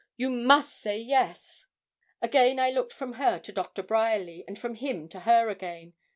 You must say yes.' Again I looked from her to Doctor Bryerly, and from him to her again.